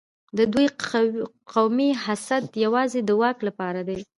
د دوی قومي حسد یوازې د واک لپاره دی.